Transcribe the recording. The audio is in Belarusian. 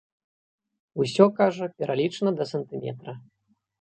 Усё, кажа, пралічана да сантыметра.